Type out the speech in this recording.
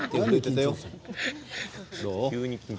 どう？